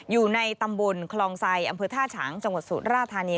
อยู่ในตำบลคลองไซดอำเภอท่าฉางจังหวัดสุราธานี